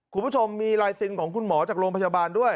คุณผู้ชมมีลายเซ็นต์ของคุณหมอจากโรงพยาบาลด้วย